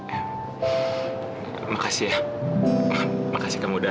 aku jatuh saja lama rumah kamu seperti burung kadal